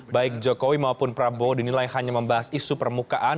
baik jokowi maupun prabowo dinilai hanya membahas isu permukaan